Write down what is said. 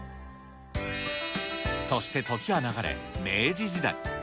そして時は流れ、明治時代。